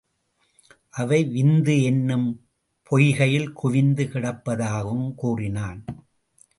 அவை விந்து என்னும் பொய்கையில் குவிந்து கிடப்பதாகவும் கூறினான்.